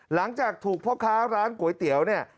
หลังจากถูกพ่อค้าร้านก๋วยเตี๋ยวเนี่ย